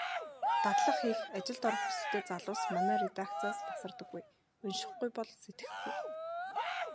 Дадлага хийх, ажилд орох хүсэлтэй залуус манай редакцаас тасардаггүй. УНШИХГҮЙ БОЛ СЭТГЭХГҮЙ.